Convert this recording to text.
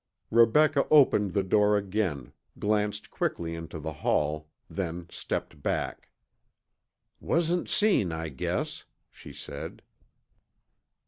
Rebecca opened the door again, glanced quickly into the hall, then stepped back. "Wasn't seen, I guess," she said.